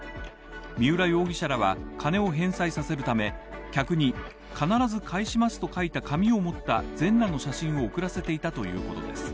三浦容疑者らは、金を返済させるため、客に必ず返しますと書いた紙を持った全裸の写真を送らせていたということです。